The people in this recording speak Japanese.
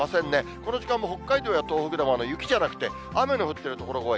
この時間も北海道や東北でも雪じゃなくて雨の降ってる所が多い。